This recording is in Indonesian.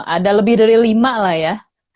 ada lebih dari lima lah ya